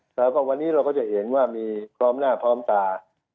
และวันนี้เราก็เห็นว่ามีครอบหน้าพร้อมตา